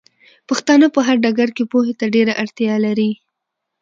پښتانۀ په هر ډګر کې پوهې ته ډېره اړتيا لري